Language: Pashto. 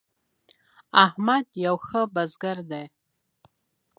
احمد یو ښه بزګر دی.